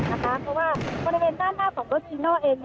เพราะว่าบริเวณด้านหน้าของรถจีโน่เอง